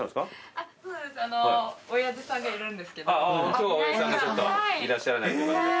今日は親父さんがちょっといらっしゃらないということで。